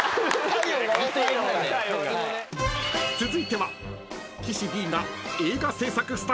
［続いては］